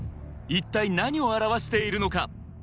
一体何を表しているのか？